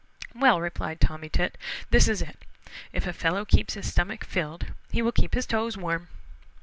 "Well," replied Tommy Tit, "this is it: If a fellow keeps his stomach filled he will beep his toes warm."